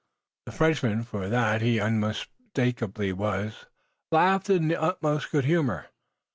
The Frenchman, for that he unmistakably was, laughed in the utmost good humor.